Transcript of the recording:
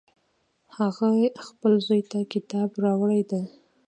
هغې خپل زوی ته کتاب راوړی ده